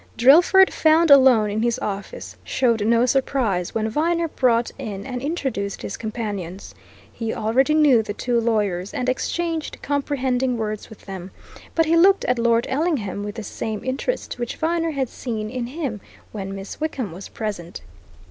Drillford, found alone in his office, showed no surprise when Viner brought in and introduced his companions. He already knew the two lawyers, and exchanged comprehending words with them, but he looked at Lord Ellingham with the same interest which Viner had seen in him when Miss Wickham was present.